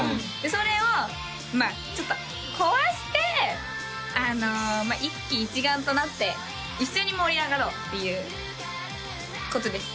それをまあちょっと壊して一丸となって一緒に盛り上がろうっていうことです